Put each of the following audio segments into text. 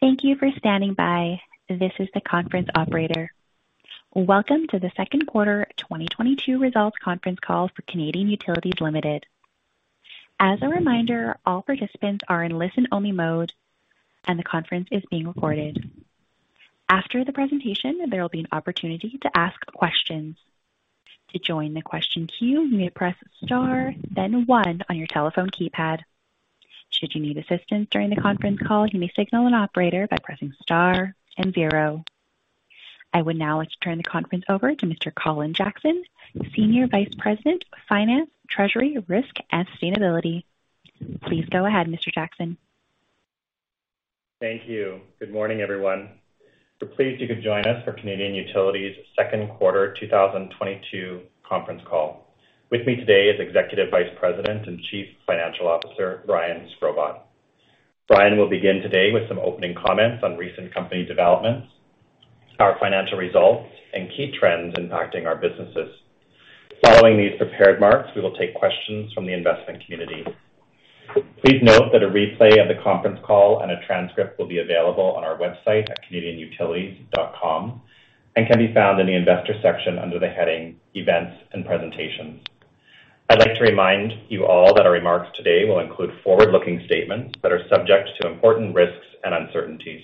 Thank you for standing by. This is the conference operator. Welcome to the second quarter 2022 results conference call for Canadian Utilities Limited. As a reminder, all participants are in listen-only mode, and the conference is being recorded. After the presentation, there will be an opportunity to ask questions. To join the question queue, you may press star, then one on your telephone keypad. Should you need assistance during the conference call, you may signal an operator by pressing star and zero. I would now like to turn the conference over to Mr. Colin Jackson, Senior Vice President of Finance, Treasury, Risk, and Sustainability. Please go ahead, Mr. Jackson. Thank you. Good morning, everyone. We're pleased you could join us for Canadian Utilities' second quarter 2022 conference call. With me today is Executive Vice President and Chief Financial Officer Brian Shkrobot. Brian will begin today with some opening comments on recent company developments, our financial results, and key trends impacting our businesses. Following these prepared remarks, we will take questions from the investment community. Please note that a replay of the conference call and a transcript will be available on our website at canadianutilities.com and can be found in the investor section under the heading Events and Presentations. I'd like to remind you all that our remarks today will include forward-looking statements that are subject to important risks and uncertainties.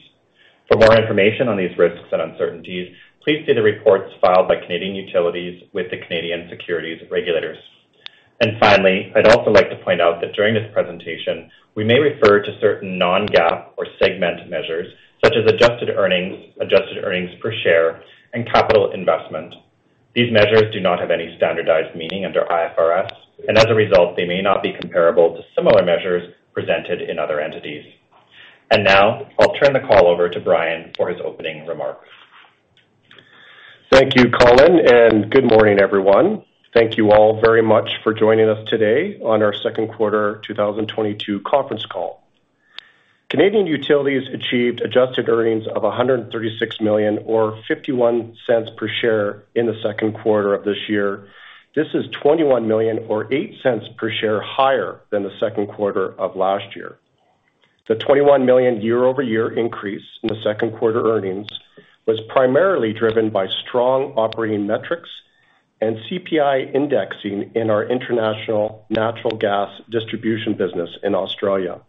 For more information on these risks and uncertainties, please see the reports filed by Canadian Utilities with the Canadian Securities Regulators. Finally, I'd also like to point out that during this presentation, we may refer to certain non-GAAP or segment measures such as adjusted earnings, adjusted earnings per share, and capital investment. These measures do not have any standardized meaning under IFRS, and as a result, they may not be comparable to similar measures presented in other entities. Now I'll turn the call over to Brian for his opening remarks. Thank you, Colin, and good morning, everyone. Thank you all very much for joining us today on our second quarter 2022 conference call. Canadian Utilities achieved adjusted earnings of 136 million or 0.51 per share in the second quarter of this year. This is 21 million or 0.08 per share higher than the second quarter of last year. The 21 million year-over-year increase in the second-quarter earnings was primarily driven by strong operating metrics and CPI indexing in our international natural gas distribution business in Australia.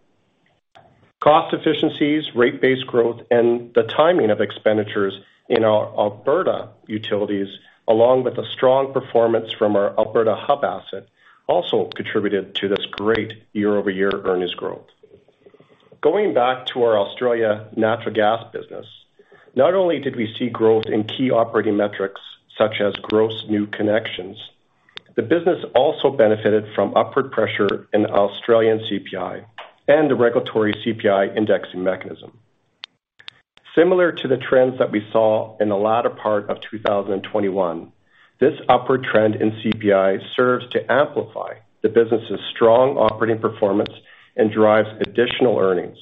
Cost efficiencies, rate-based growth, and the timing of expenditures in our Alberta utilities, along with a strong performance from our Alberta Hub asset, also contributed to this great year-over-year earnings growth. Going back to our Australian natural gas business, not only did we see growth in key operating metrics such as gross new connections, the business also benefited from upward pressure in Australian CPI and the regulatory CPI indexing mechanism. Similar to the trends that we saw in the latter part of 2021, this upward trend in CPI serves to amplify the business's strong operating performance and drives additional earnings.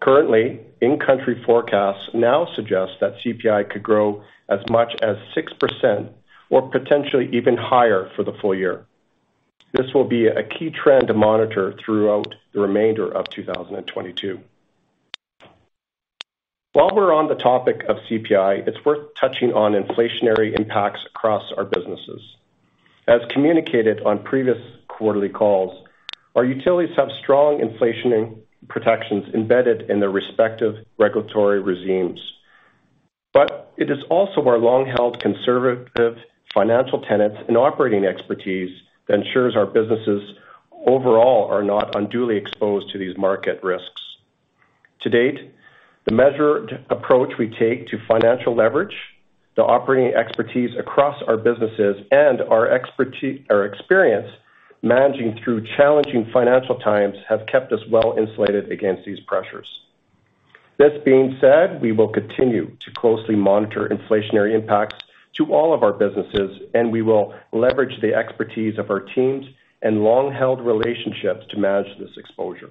Currently, in-country forecasts now suggest that CPI could grow as much as 6% or potentially even higher for the full year. This will be a key trend to monitor throughout the remainder of 2022. While we're on the topic of CPI, it's worth touching on inflationary impacts across our businesses. As communicated on previous quarterly calls, our utilities have strong inflation protections embedded in their respective regulatory regimes. It is also our long-held conservative financial tenants and operating expertise that ensures our businesses overall are not unduly exposed to these market risks. To date, the measured approach we take to financial leverage, the operating expertise across our businesses, and our experience managing through challenging financial times have kept us well insulated against these pressures. This being said, we will continue to closely monitor inflationary impacts to all of our businesses, and we will leverage the expertise of our teams and long-held relationships to manage this exposure.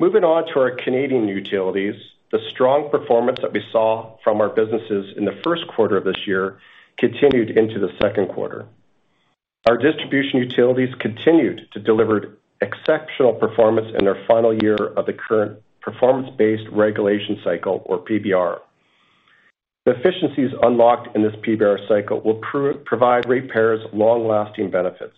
Moving on to our Canadian Utilities, the strong performance that we saw from our businesses in the first quarter of this year continued into the second quarter. Our distribution utilities continued to deliver exceptional performance in their final year of the current performance-based regulation cycle or PBR. The efficiencies unlocked in this PBR cycle will provide ratepayers long-lasting benefits.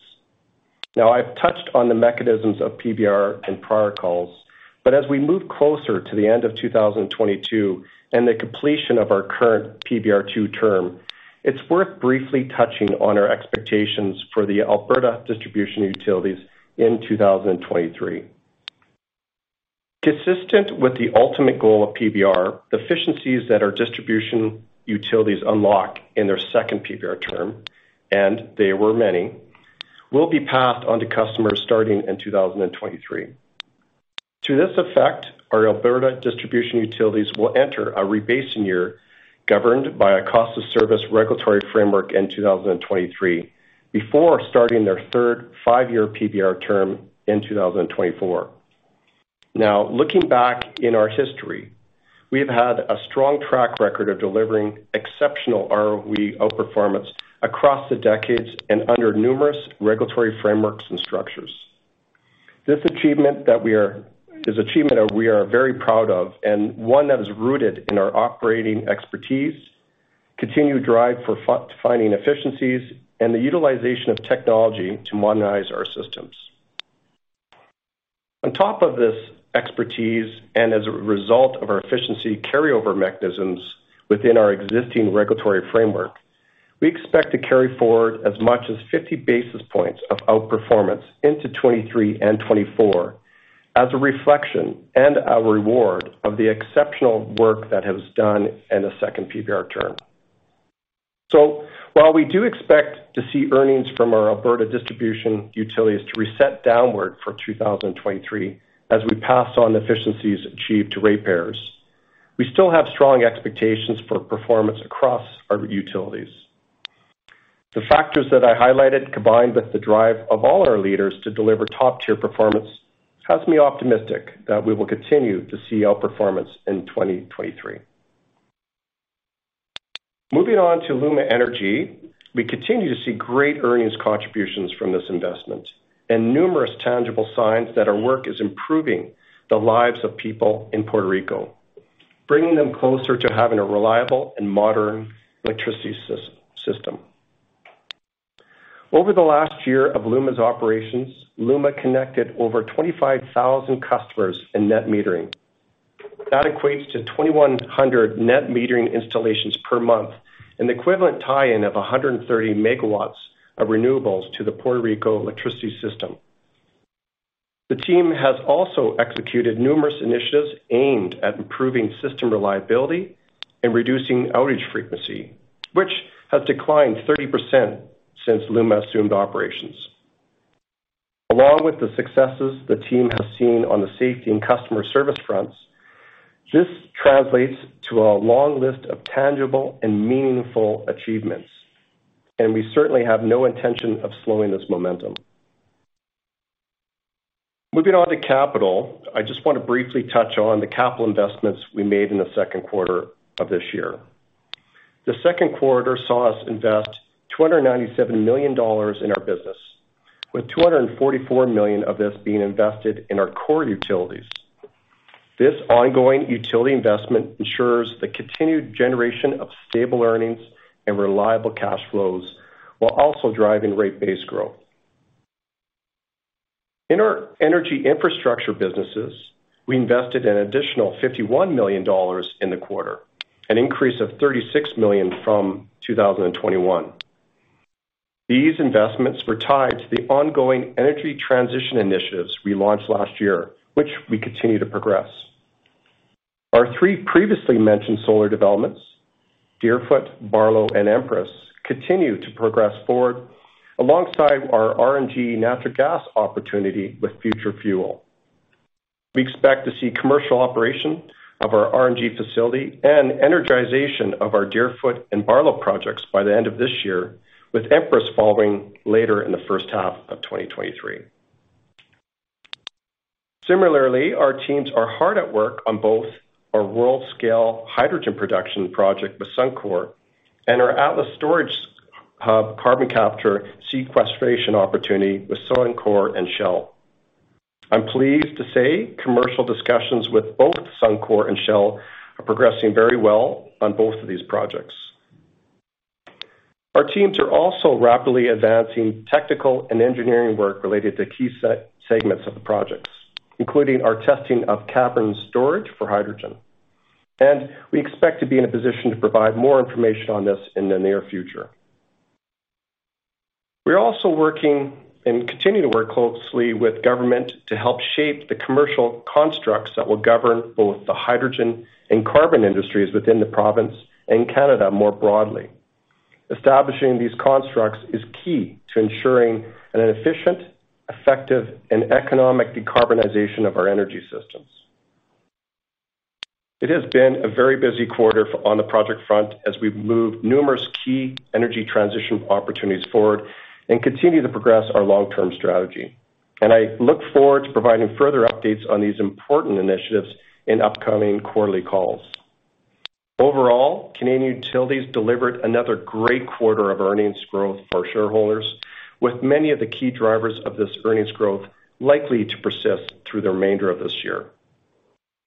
Now, I've touched on the mechanisms of PBR in prior calls, but as we move closer to the end of 2022 and the completion of our current PBR2 term, it's worth briefly touching on our expectations for the Alberta distribution utilities in 2023. Consistent with the ultimate goal of PBR, the efficiencies that our distribution utilities unlock in their second PBR term, and they were many, will be passed on to customers starting in 2023. To this effect, our Alberta distribution utilities will enter a rebasing year governed by a cost of service regulatory framework in 2023 before starting their third five-year PBR term in 2024. Now, looking back in our history. We have had a strong track record of delivering exceptional ROE outperformance across the decades and under numerous regulatory frameworks and structures. This achievement that we are very proud of and one that is rooted in our operating expertise, continued drive for finding efficiencies, and the utilization of technology to modernize our systems. On top of this expertise, and as a result of our efficiency carryover mechanisms within our existing regulatory framework, we expect to carry forward as much as 50 basis points of outperformance into 2023 and 2024 as a reflection and a reward of the exceptional work that we've done in the second PBR term. While we do expect to see earnings from our Alberta distribution utilities to reset downward for 2023 as we pass on efficiencies achieved to rate payers, we still have strong expectations for performance across our utilities. The factors that I highlighted, combined with the drive of all our leaders to deliver top-tier performance, has me optimistic that we will continue to see outperformance in 2023. Moving on to LUMA Energy. We continue to see great earnings contributions from this investment and numerous tangible signs that our work is improving the lives of people in Puerto Rico, bringing them closer to having a reliable and modern electricity system. Over the last year of LUMA's operations, LUMA connected over 25,000 customers in net metering. That equates to 2,100 net metering installations per month, an equivalent tie-in of 130 MW of renewables to the Puerto Rico electricity system. The team has also executed numerous initiatives aimed at improving system reliability and reducing outage frequency, which has declined 30% since LUMA assumed operations. Along with the successes the team has seen on the safety and customer service fronts, this translates to a long list of tangible and meaningful achievements, and we certainly have no intention of slowing this momentum. Moving on to capital. I just want to briefly touch on the capital investments we made in the second quarter of this year. The second quarter saw us invest 297 million dollars in our business, with 244 million of this being invested in our core utilities. This ongoing utility investment ensures the continued generation of stable earnings and reliable cash flows while also driving rate-based growth. In our energy infrastructure businesses, we invested an additional 51 million dollars in the quarter, an increase of 36 million from 2021. These investments were tied to the ongoing energy transition initiatives we launched last year, which we continue to progress. Our three previously mentioned solar developments, Deerfoot, Barlow, and Empress, continue to progress forward alongside our RNG natural gas opportunity with Future Fuel. We expect to see commercial operation of our RNG facility and energization of our Deerfoot and Barlow projects by the end of this year, with Empress following later in the first half of 2023. Similarly, our teams are hard at work on both our world-scale hydrogen production project with Suncor and our Atlas Carbon Storage Hub carbon capture sequestration opportunity with Suncor and Shell. I'm pleased to say commercial discussions with both Suncor and Shell are progressing very well on both of these projects. Our teams are also rapidly advancing technical and engineering work related to key segments of the projects, including our testing of cavern storage for hydrogen, and we expect to be in a position to provide more information on this in the near future. We're also working and continue to work closely with government to help shape the commercial constructs that will govern both the hydrogen and carbon industries within the province and Canada more broadly. Establishing these constructs is key to ensuring an efficient, effective, and economic decarbonization of our energy systems. It has been a very busy quarter on the project front as we've moved numerous key energy transition opportunities forward and continue to progress our long-term strategy. I look forward to providing further updates on these important initiatives in upcoming quarterly calls. Overall, Canadian Utilities delivered another great quarter of earnings growth for shareholders, with many of the key drivers of this earnings growth likely to persist through the remainder of this year.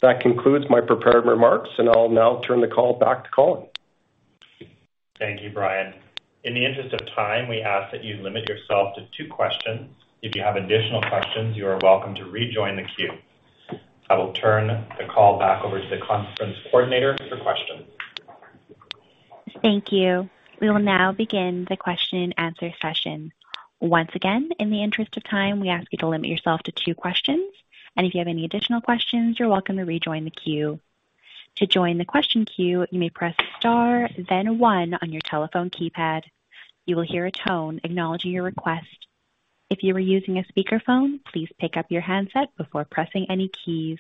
That concludes my prepared remarks, and I'll now turn the call back to Colin. Thank you, Brian. In the interest of time, we ask that you limit yourself to two questions. If you have additional questions, you are welcome to rejoin the queue. I will turn the call back over to the conference coordinator for questions. Thank you. We will now begin the question and answer session. Once again, in the interest of time, we ask you to limit yourself to two questions. If you have any additional questions, you're welcome to rejoin the queue. To join the question queue, you may press star then one on your telephone keypad. You will hear a tone acknowledging your request. If you are using a speakerphone, please pick up your handset before pressing any keys.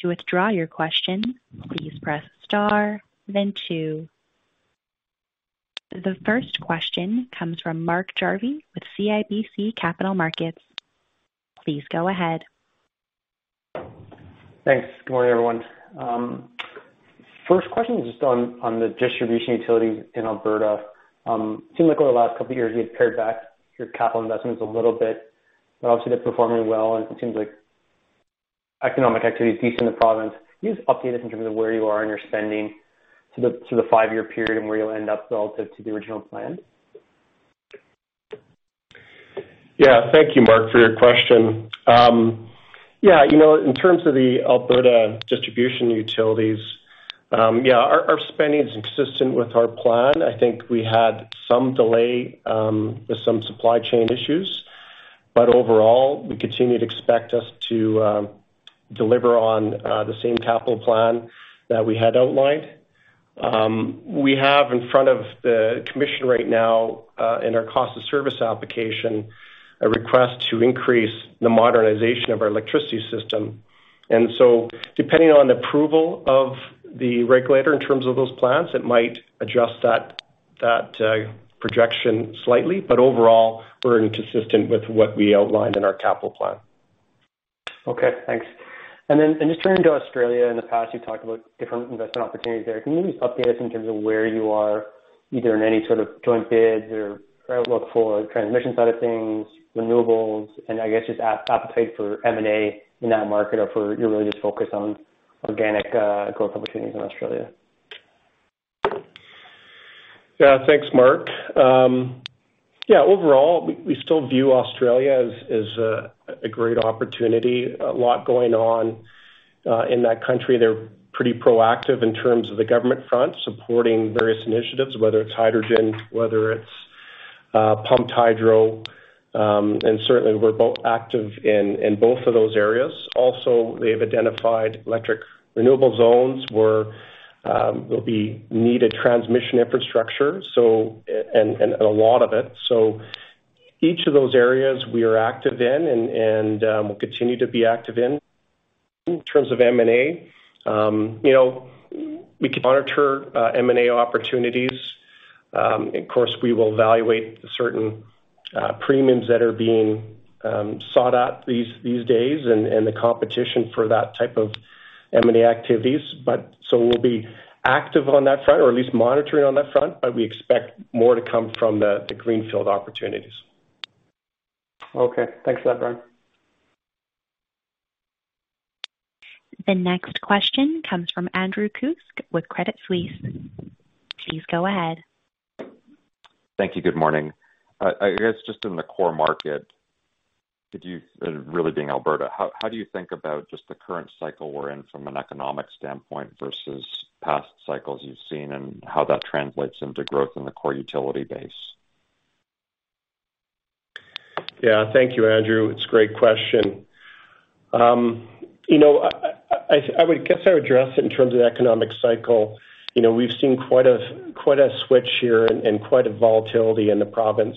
To withdraw your question, please press star then two. The first question comes from Mark Jarvi with CIBC Capital Markets. Please go ahead. Thanks. Good morning, everyone. First question is just on the distribution utilities in Alberta. Seemed like over the last couple of years, you had pared back your capital investments a little bit, but obviously they're performing well, and it seems like economic activity is decent in the province. Can you just update us in terms of where you are in your spending to the five-year period and where you'll end up relative to the original plan? Thank you, Mark, for your question. Yeah, you know, in terms of the Alberta distribution utilities, yeah, our spending is consistent with our plan. I think we had some delay with some supply chain issues, but overall, we continue to expect to deliver on the same capital plan that we had outlined. We have in front of the commission right now in our cost of service application a request to increase the modernization of our electricity system. Depending on approval of the regulator in terms of those plans, it might adjust that projection slightly, but overall, we're consistent with what we outlined in our capital plan. Okay. Thanks. Just turning to Australia, in the past, you talked about different investment opportunities there. Can you just update us in terms of where you are, either in any sort of joint bids or outlook for transmission side of things, renewables, and I guess just appetite for M&A in that market or if you're really just focused on organic growth opportunities in Australia? Yeah. Thanks, Mark. Yeah, overall, we still view Australia as a great opportunity. A lot going on in that country. They're pretty proactive in terms of the government front, supporting various initiatives, whether it's hydrogen, whether it's pumped hydro, and certainly we're both active in both of those areas. Also, they've identified electric renewable zones where there'll be needed transmission infrastructure, so and a lot of it. Each of those areas we are active in and we'll continue to be active in. In terms of M&A, you know, we can monitor M&A opportunities. Of course, we will evaluate certain premiums that are being sought out these days and the competition for that type of M&A activities. We'll be active on that front or at least monitoring on that front, but we expect more to come from the greenfield opportunities. Okay. Thanks for that, Brian. The next question comes from Andrew Kuske with Credit Suisse. Please go ahead. Thank you. Good morning. I guess just in the core market, really being Alberta, how do you think about just the current cycle we're in from an economic standpoint versus past cycles you've seen and how that translates into growth in the core utility base? Yeah. Thank you, Andrew. It's a great question. You know, I guess I'll address it in terms of the economic cycle. You know, we've seen quite a switch here and quite a volatility in the province.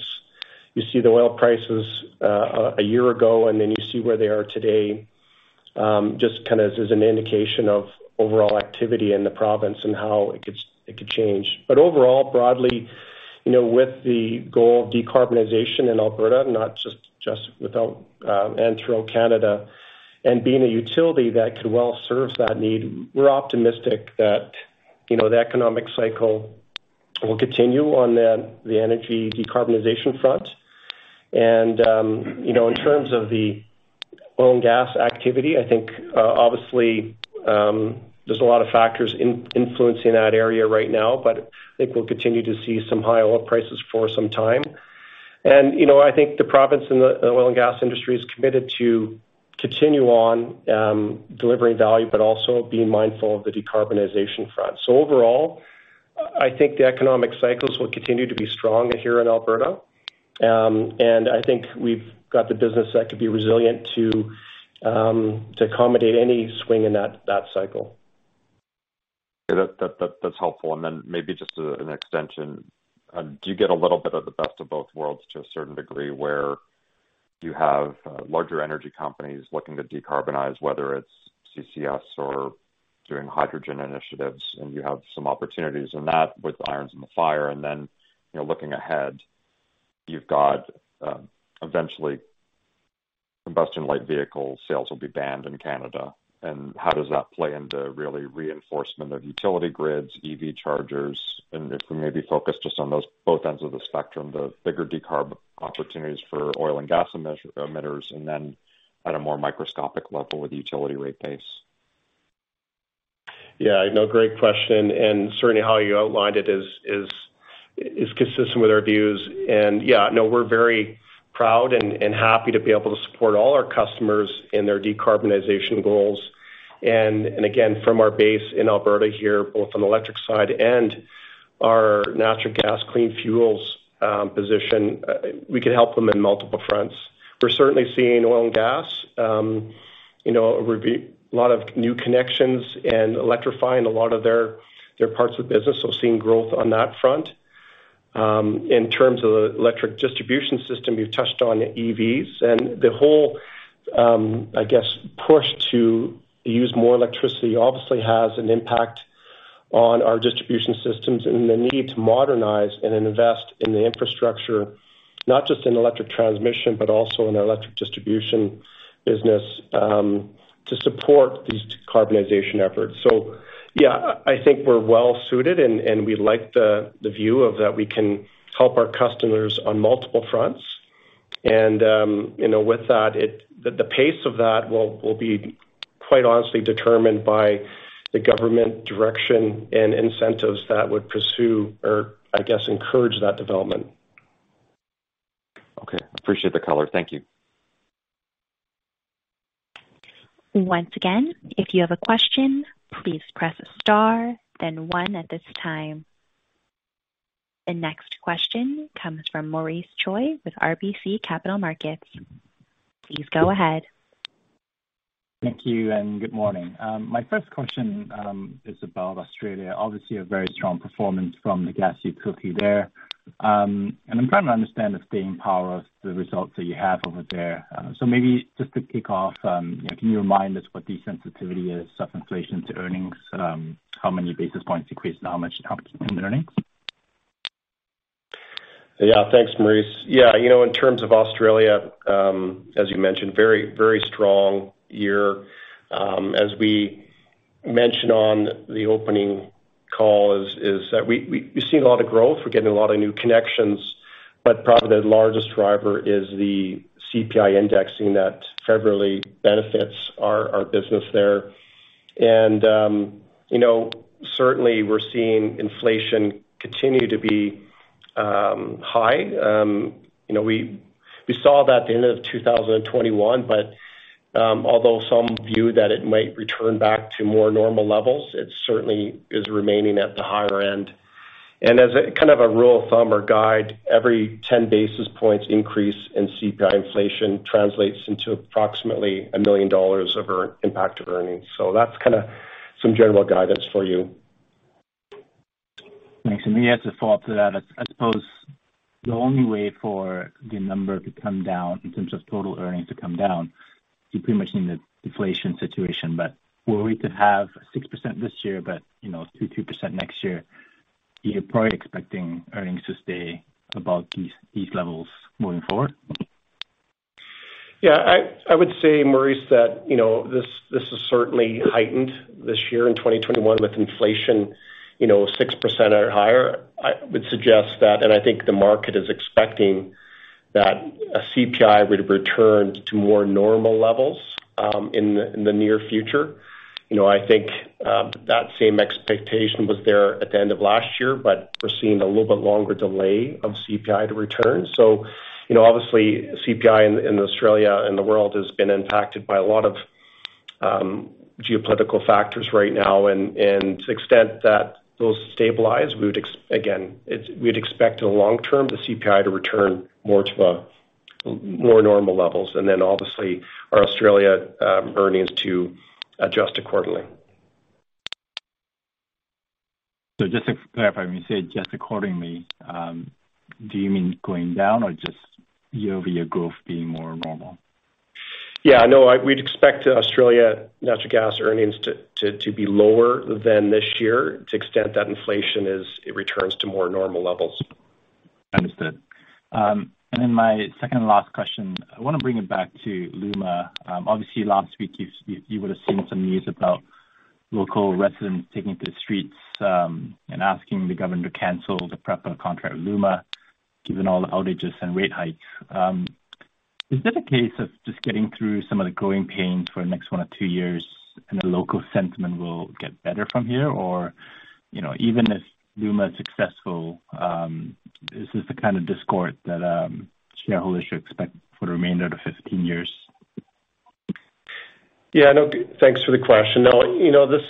You see the oil prices a year ago, and then you see where they are today, just kind of as an indication of overall activity in the province and how it could change. Overall, broadly, you know, with the goal of decarbonization in Alberta, not just with ATCO EnPower Canada and being a utility that could well serve that need, we're optimistic that, you know, the economic cycle will continue on the energy decarbonization front. You know, in terms of the oil and gas activity, I think obviously, there's a lot of factors influencing that area right now, but I think we'll continue to see some high oil prices for some time. You know, I think the province and the oil and gas industry is committed to continue on, delivering value, but also being mindful of the decarbonization front. Overall, I think the economic cycles will continue to be strong here in Alberta. I think we've got the business that could be resilient to accommodate any swing in that cycle. Yeah. That's helpful. Then maybe just an extension. Do you get a little bit of the best of both worlds to a certain degree where you have larger energy companies looking to decarbonize, whether it's CCS or doing hydrogen initiatives, and you have some opportunities in that with irons in the fire. Looking ahead, you've got eventually combustion light vehicle sales will be banned in Canada. How does that play into really reinforcement of utility grids, EV chargers? If we maybe focus just on those both ends of the spectrum, the bigger decarb opportunities for oil and gas emitters and then at a more microscopic level with utility rate base. Yeah, no, great question. Certainly how you outlined it is consistent with our views. Yeah, no, we're very proud and happy to be able to support all our customers in their decarbonization goals. Again, from our base in Alberta here, both on the electric side and our natural gas clean fuels position, we can help them in multiple fronts. We're certainly seeing oil and gas, you know, a lot of new connections and electrifying a lot of their parts of business, so seeing growth on that front. In terms of the electric distribution system, you've touched on EVs and the whole, I guess push to use more electricity obviously has an impact on our distribution systems and the need to modernize and invest in the infrastructure, not just in electric transmission, but also in our electric distribution business, to support these decarbonization efforts. Yeah, I think we're well suited and we like the view of that we can help our customers on multiple fronts. You know, with that, the pace of that will be, quite honestly, determined by the government direction and incentives that would pursue or I guess encourage that development. Okay. Appreciate the color. Thank you. Once again, if you have a question, please press star then one at this time. The next question comes from Maurice Choy with RBC Capital Markets. Please go ahead. Thank you and good morning. My first question is about Australia. Obviously a very strong performance from the gas utility there. I'm trying to understand the staying power of the results that you have over there. Maybe just to kick off, you know, can you remind us what the sensitivity is of inflation to earnings? How many basis points increase and how much in earnings? Yeah. Thanks, Maurice. Yeah, you know, in terms of Australia, as you mentioned, very, very strong year. As we mentioned on the opening call, that we're seeing a lot of growth. We're getting a lot of new connections, but probably the largest driver is the CPI indexing that favorably benefits our business there. You know, certainly we're seeing inflation continue to be high. You know, we saw that at the end of 2021, but although some view that it might return back to more normal levels, it certainly is remaining at the higher end. As a kind of a rule of thumb or guide, every 10 basis points increase in CPI inflation translates into approximately 1 million dollars of earnings impact to earnings. That's kinda some general guidance for you. Thanks. Maybe as a follow-up to that, I suppose the only way for the number to come down in terms of total earnings to come down, you pretty much need a deflation situation, but for it to have 6% this year, but you know, 2% next year, you're probably expecting earnings to stay above these levels moving forward. Yeah. I would say, Maurice, that you know, this is certainly heightened this year in 2021 with inflation, you know, 6% or higher. I would suggest that, and I think the market is expecting that a CPI would return to more normal levels, in the near future. You know, I think, that same expectation was there at the end of last year, but we're seeing a little bit longer delay of CPI to return. So you know, obviously CPI in Australia and the world has been impacted by a lot of, geopolitical factors right now. And to the extent that those stabilize, we'd expect in the long term the CPI to return more to a more normal levels and then obviously our Australia earnings to adjust accordingly. Just to clarify, when you say adjust accordingly, do you mean going down or just year-over-year growth being more normal? We'd expect Australian natural gas earnings to be lower than this year to the extent that inflation as it returns to more normal levels. Understood. My second and last question, I wanna bring it back to LUMA. Obviously last week you would have seen some news about local residents taking to the streets, and asking the government to cancel the PREPA contract with LUMA given all the outages and rate hikes. Is that a case of just getting through some of the growing pains for the next one or two years and the local sentiment will get better from here? You know, even if LUMA is successful, is this the kind of discord that shareholders should expect for the remainder of the 15 years? Yeah, no, thanks for the question. No, you know, this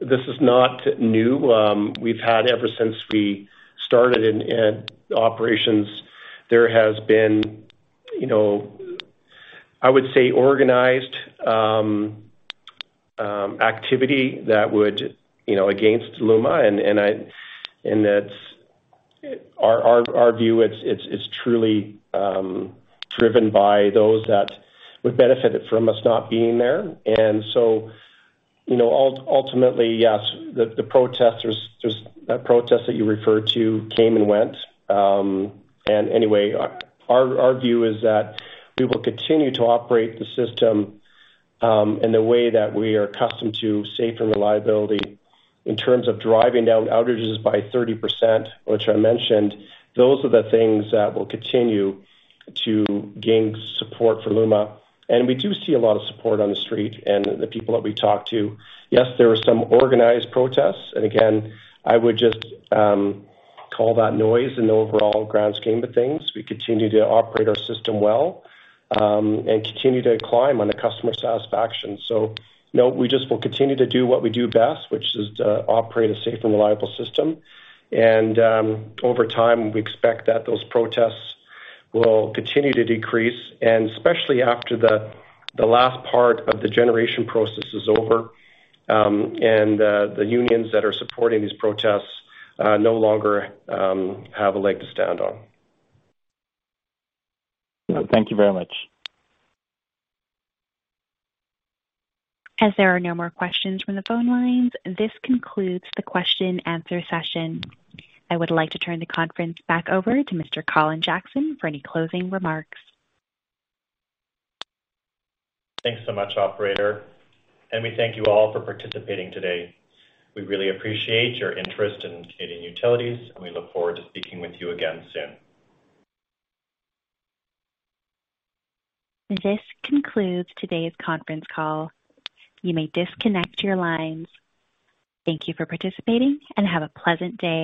is not new. We've had ever since we started in operations, there has been, you know, I would say organized activity that would, you know, against LUMA and it's our view, it's truly driven by those that would benefit from us not being there. You know, ultimately, yes, the protesters that protest that you referred to came and went. Anyway, our view is that we will continue to operate the system in the way that we are accustomed to, safe and reliability. In terms of driving down outages by 30%, which I mentioned, those are the things that will continue to gain support for LUMA. We do see a lot of support on the street and the people that we talk to. Yes, there are some organized protests. Again, I would just call that noise in the overall grand scheme of things. We continue to operate our system well, and continue to climb on the customer satisfaction. No, we just will continue to do what we do best, which is to operate a safe and reliable system. Over time, we expect that those protests will continue to decrease, and especially after the last part of the generation process is over, and the unions that are supporting these protests no longer have a leg to stand on. Thank you very much. As there are no more questions from the phone lines, this concludes the question and answer session. I would like to turn the conference back over to Mr. Colin Jackson for any closing remarks. Thanks so much, operator, and we thank you all for participating today. We really appreciate your interest in Canadian Utilities, and we look forward to speaking with you again soon. This concludes today's conference call. You may disconnect your lines. Thank you for participating and have a pleasant day.